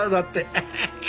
ハハハハ！